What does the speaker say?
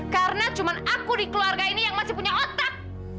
karena cuma aku di keluarga ini yang masih punya otak